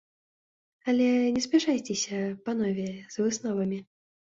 Але не спяшайцеся, панове, з высновамі.